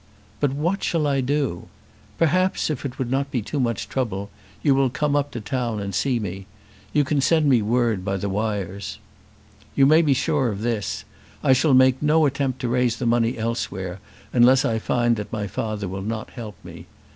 But what shall I do? Perhaps, if it be not too much trouble, you will come up to town and see me. You can send me a word by the wires. You may be sure of this, I shall make no attempt to raise the money elsewhere, unless I find that my father will not help me.